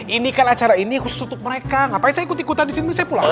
ini kan acara ini khusus untuk mereka ngapain saya ikut ikutan di sini saya pulang